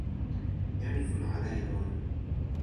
jan li sona ala e lon.